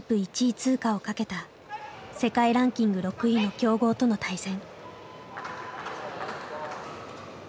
通過をかけた世界ランキング６位の強豪との対戦。